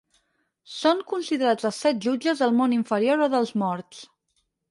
Són considerats els set jutges del món inferior o dels morts.